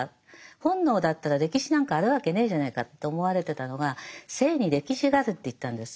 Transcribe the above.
本能だったら歴史なんかあるわけねえじゃねえかと思われてたのが性に歴史があるって言ったんです。